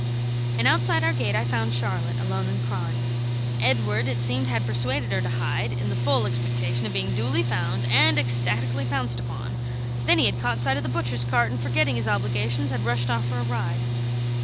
And outside our gate I found Charlotte, alone and crying. Edward, it seemed, had persuaded her to hide, in the full expectation of being duly found and ecstatically pounced upon; then he had caught sight of the butcher's cart, and, forgetting his obligations, had rushed off for a ride.